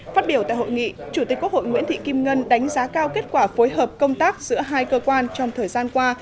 phát biểu tại hội nghị chủ tịch quốc hội nguyễn thị kim ngân đánh giá cao kết quả phối hợp công tác giữa hai cơ quan trong thời gian qua